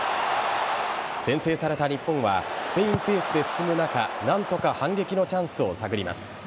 先制された日本はスペインペースで進む中何とか反撃のチャンスを探ります。